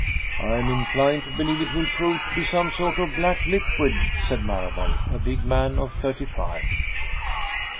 "I am inclined to believe it will prove to be some sort of black liquid," said Marable, a big man of thirty five.